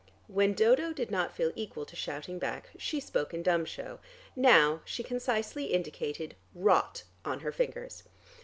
When Dodo did not feel equal to shouting back, she spoke in dumb show. Now she concisely indicated "Rot" on her fingers.